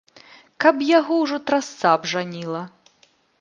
Каб яго ўжо трасца абжаніла!